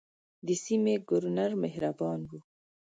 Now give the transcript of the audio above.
د سیمې ګورنر مهربان وو.